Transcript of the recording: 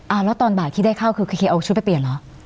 แล้วตอนบ่ายที่ได้เข้าคือเคเอาชุดไปเปลี่ยนเหรอ